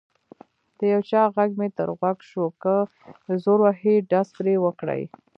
د یو چا غږ مې تر غوږ شو: که زور وهي ډز پرې وکړئ.